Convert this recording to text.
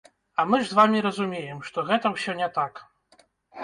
А мы ж з вамі разумеем, што гэта ўсё не так!